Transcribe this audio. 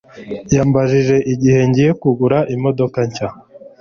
Yambajije igihe ngiye kugura imodoka nshya.